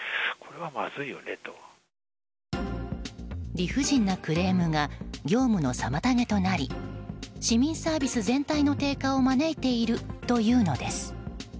理不尽なクレームが業務の妨げとなり市民サービス全体の低下を招いているというのです。